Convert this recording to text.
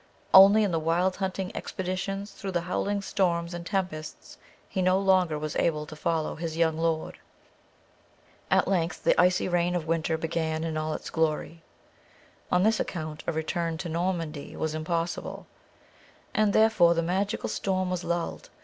Only in the wild hunting expeditions through the howling storms and tempests he no longer was able to follow his young lord. At length the icy reign of winter began in all its glory. On this account a return to Normandy was impossible, and therefore the magical storm was lulled.